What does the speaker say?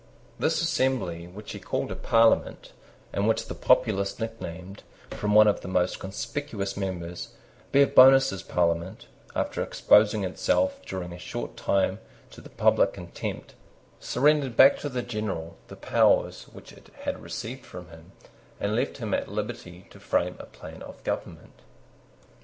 This assembly, which he called a Parliament, and which the populace nicknamed, from one of the most conspicuous members, Barebonesa's Parliament, after exposing itself during a short time to the public contempt, surrendered back to the General the powers which it had received from him, and left him at liberty to frame a plan of government.